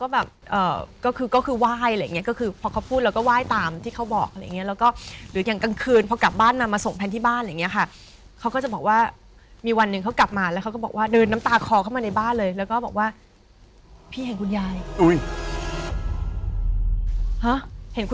ด้วยความที่เกิดปีมารงก์